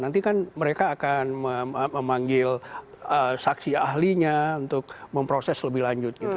nanti kan mereka akan memanggil saksi ahlinya untuk memproses lebih lanjut gitu